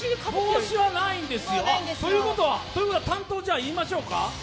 帽子はないんですよ、ということは、担当、言いましょうか。